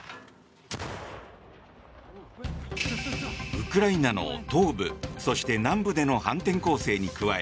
ウクライナの東部そして、南部での反転攻勢に加え